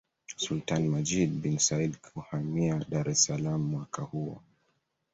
Sultani Majid bin Said kuhamia Dar es Salaam mwaka huo